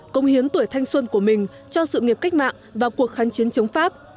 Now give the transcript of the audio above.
công hiến tuổi thanh xuân của mình cho sự nghiệp cách mạng và cuộc kháng chiến chống pháp